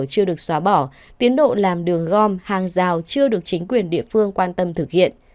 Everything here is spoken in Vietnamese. chưa được xóa bỏ tiến độ làm đường gom hàng rào chưa được chính quyền địa phương quan tâm thực hiện